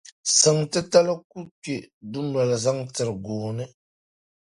Siŋ’ titali ku kpe dunoli zaŋ tiri gooni.